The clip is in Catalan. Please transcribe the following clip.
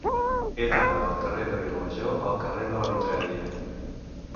He d'anar del carrer de Vilamajor al carrer de la Vitrària.